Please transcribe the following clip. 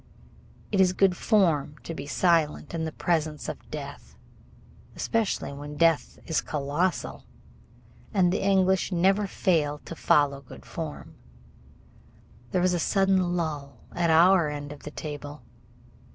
It is good form to be silent in the presence of death, especially when death is colossal, and the English never fail to follow good form. There was a sudden lull at our end of the table.